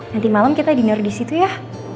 nanti malem kita dinner disitu ya